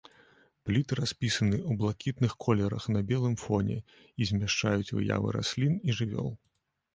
Пліты распісаны ў блакітных колерах на белым фоне і змяшчаюць выявы раслін і жывёл.